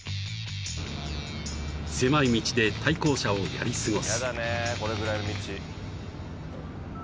［狭い道で対向車をやり過ごす］